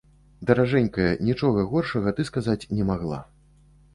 Даражэнькая, нічога горшага ты сказаць не магла.